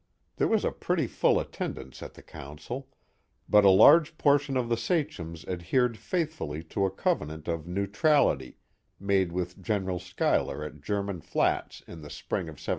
There was a pretty full attendance at the council, but a large portion of the sachems adhered faithfully to a covenant of neutrality made with General Schuyler at German Flats in the spring of 1777.